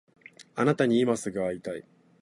あなたに今すぐ会いたい